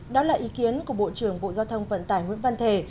đó là ý kiến của bộ trưởng bộ giao thông vận tải nguyễn văn thể